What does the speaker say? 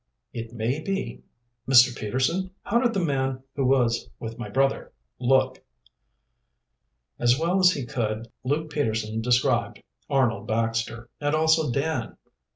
"It may be. Mr. Peterson, how did the man who was with my brother look?" As well as he could Luke Peterson described Arnold Baxter, and also Dan.